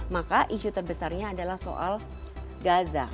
maka isu terbesarnya adalah soal gaza